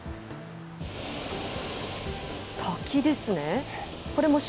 滝ですね。